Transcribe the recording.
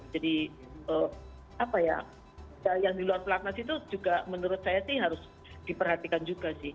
jadi apa ya yang di luar pelatnas itu juga menurut saya sih harus diperhatikan juga sih